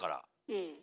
うん。